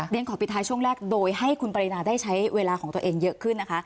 ขอปิดท้ายช่วงแรกโดยให้คุณปรินาได้ใช้เวลาของตัวเองเยอะขึ้นนะคะ